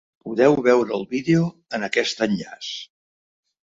Podeu veure el vídeo en aquest enllaç.